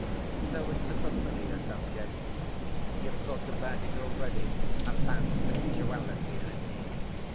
So it's a familiar subject; you've thought about it already, about sensuality, I mean!